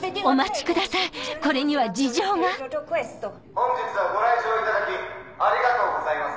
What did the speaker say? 本日はご来場いただきありがとうございます。